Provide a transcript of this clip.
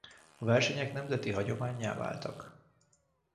A versenyek nemzeti hagyománnyá váltak.